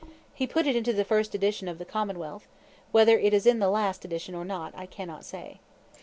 He put it into the first edition of the "Commonwealth"; whether it is in the last edition or not, I cannot say.